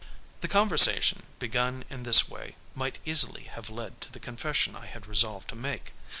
The conversation begun in this way, might easily have led to the confession I had resolved to make.